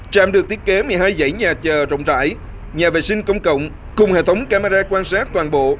trạm được thiết kế một mươi hai dãy nhà chờ rộng rãi nhà vệ sinh công cộng cùng hệ thống camera quan sát toàn bộ